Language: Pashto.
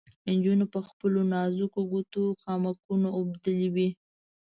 نجونو په خپلو نازکو ګوتو خامکونه اوبدلې وې.